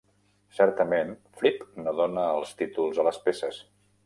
Certament, Fripp no dona els títols a les peces.